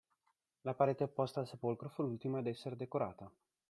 La parete opposta al sepolcro fu l'ultima ad essere decorata.